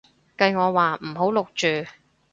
計我話唔好錄住